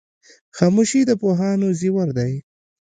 خاموشي د پوهانو زیور دی.